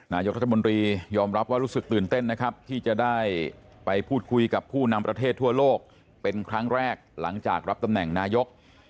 นายกรัฐมนตรียอมรับว่ารู้สึกตื่นเต้นนะครับที่จะได้ไปพูดคุยกับผู้นำประเทศทั่วโลกเป็นครั้งแรกหลังจากรับตำแหน่งนายก